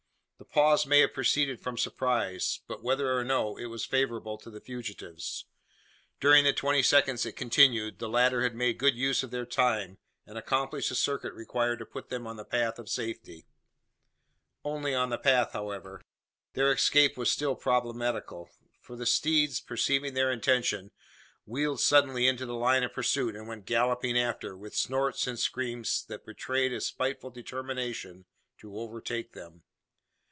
The pause may have proceeded from surprise; but, whether or no, it was favourable to the fugitives. During the twenty seconds it continued, the latter had made good use of their time, and accomplished the circuit required to put them on the path of safety. Only on the path, however. Their escape was still problematical: for the steeds, perceiving their intention, wheeled suddenly into the line of pursuit, and went galloping after, with snorts and screams that betrayed a spiteful determination to overtake them.